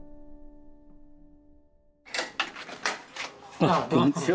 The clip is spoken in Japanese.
あっこんにちは。